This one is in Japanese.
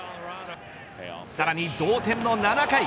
さらに同点の７回。